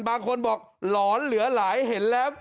บางคนบอกหลอนเหลือหลายเห็นแล้ว